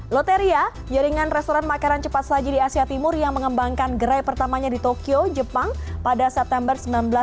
loteria jaringan restoran makanan cepat saji di asia timur yang mengembangkan gerai pertamanya di tokyo jepang pada september seribu sembilan ratus delapan puluh